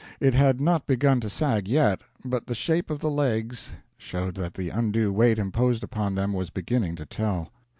It had not begun to sag yet, but the shape of the legs showed that the undue weight imposed upon them was beginning to tell.